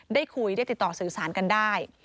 ได้คุยได้ติดต่อสื่อสารกันได้